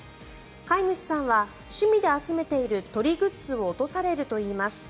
飼い主さんは趣味で集めている鳥グッズを落とされるといいます。